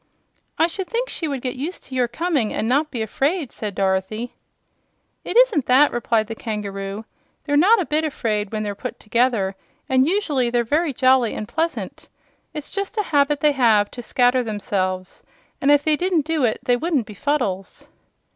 "I should think she would get used to your coming, and not be afraid," said Dorothy. "It isn't that," replied the kangaroo. "They're not a bit afraid, when they're put together, and usually they're very jolly and pleasant. It's just a habit they have, to scatter themselves, and if they didn't do it they wouldn't be Fuddles."